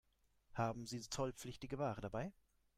Haben Sie zollpflichtige Ware dabei?